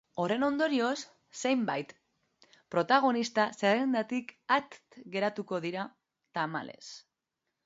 Horren ondorioz, zenbait protagonista zerrendatik at geratuko dira, tamalez.